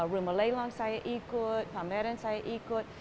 rumah leilang saya ikut pameran saya ikut